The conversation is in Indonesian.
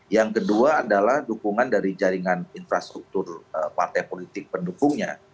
yang kedua adalah dukungan dari jaringan infrastruktur partai politik pendukungnya